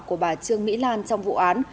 của bà trương mỹ lan trong vụ án